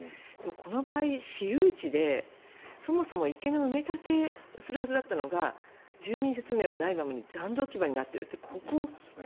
この場合、私有地でそもそも池の埋め立てをするはずだったのが住民説明もないままに残土置き場になっているという。